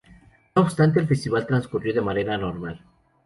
No obstante el festival transcurrió de manera normal.